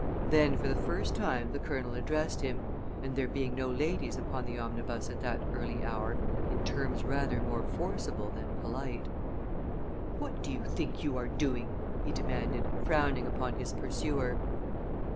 Then for the first time the Colonel addressed him, and, there being no ladies upon the omnibus at that early hour, in terms rather more forcible than polite. [Illustration: "WHAT DO YOU THINK YOU ARE DOING?"] "What do you think you are doing?" he demanded, frowning upon his pursuer.